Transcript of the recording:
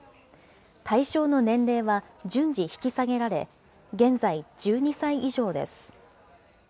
対象の年齢は順次引き下げられ、現在、１２歳以上です。